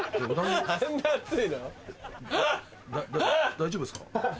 大丈夫ですか？